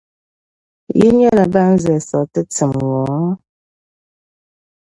Yi nyɛla ban zilisiri ti tim ŋɔ?